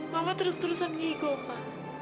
mama terus terusan ngego ma